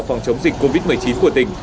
phòng chống dịch covid một mươi chín của tỉnh